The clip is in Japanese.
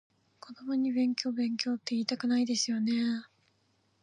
子供に勉強勉強っていいたくないですよね？